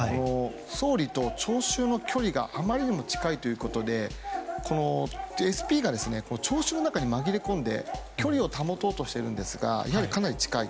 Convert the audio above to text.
総理と聴衆の距離があまりにも近いということでＳＰが聴衆の中に紛れ込んで距離を保とうとしているんですがやはり、かなり近い。